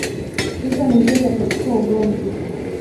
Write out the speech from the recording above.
Hizo ni njia za kuepuka ugomvi